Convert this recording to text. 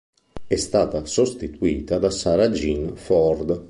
È stata sostituita da Sara Jean Ford.